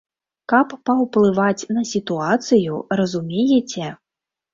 Каб паўплываць на сітуацыю, разумееце?